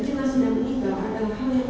jelas sudah meninggal adalah hal yang